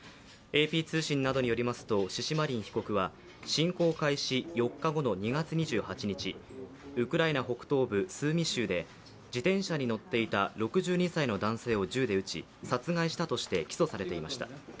ＡＰ通信などによりますと、シシマリン被告は、侵攻開始４日後の２月２８日、ウクライナ北東部スーミ州で自転車に乗っていた６２歳の男性を銃で撃ち、殺害したとして起訴されていました。